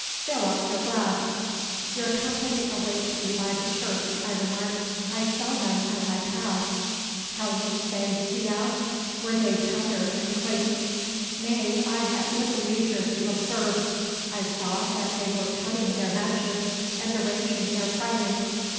Fill up your glass!' 'Your company awaits you by the church,' I remarked; 'I saw them as I passed.' 'How looked they?' he asked. 'Were they powdered and clean?' 'Nay, I had little leisure to observe. I saw that they were cutting their matches and arranging their priming.